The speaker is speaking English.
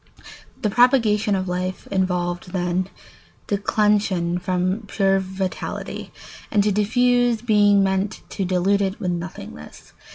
The propagation of life involved, then, declension from pure vitality, and to diffuse being meant to dilute it with nothingness.